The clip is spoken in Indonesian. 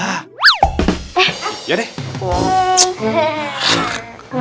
eh ya deh